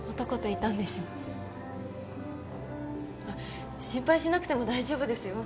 あっ心配しなくても大丈夫ですよ。